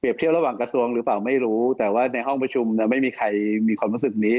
เที่ยวระหว่างกระทรวงหรือเปล่าไม่รู้แต่ว่าในห้องประชุมไม่มีใครมีความรู้สึกนี้